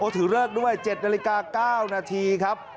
ถือเลิกด้วย๗นาฬิกา๙นาทีครับ